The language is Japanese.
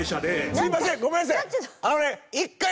すいませんごめんなさい！